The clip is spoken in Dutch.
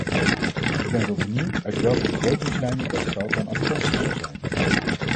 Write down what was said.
Ik ben wel benieuwd uit welke begrotingslijnen dat geld dan afkomstig zal zijn.